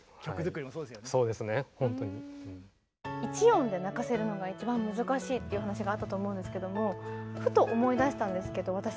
１音で泣かせるのが一番難しいっていう話があったと思うんですけどもふと思い出したんですけど私